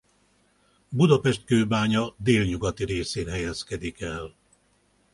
Budapest-Kőbánya délnyugati részén helyezkedik el.